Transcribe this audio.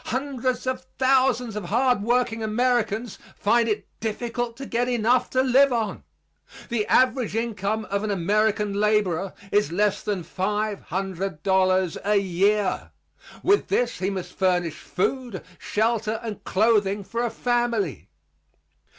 Hundreds of thousands of hard working Americans find it difficult to get enough to live on. The average income of an American laborer is less than $500 a year. With this he must furnish food, shelter and clothing for a family.